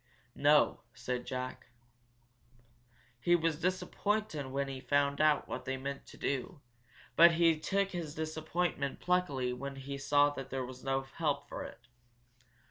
"No," said Jack. He was disappointed when he found out what they meant to do, but he took his disappointment pluckily when he saw that there was no help for it.